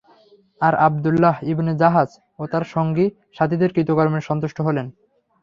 আর Abdullah ibn Jahsh ও তার সঙ্গী-সাথীদের কৃতকর্মে সন্তুষ্ট হলেন।